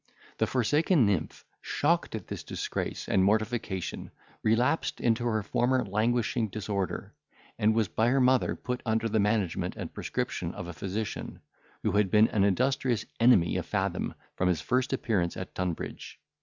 The forsaken nymph, shocked at this disgrace and mortification, relapsed into her former languishing disorder; and was by her mother put under the management and prescription of a physician, who had been an industrious enemy of Fathom from his first appearance at Tunbridge.